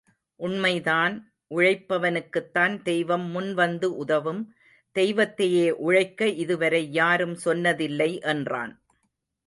உண்மைதான் உழைப்பவனுக்குத்தான் தெய்வம் முன் வந்து உதவும், தெய்வத்தையே உழைக்க இதுவரை யாரும் சொன்னதில்லை என்றான்.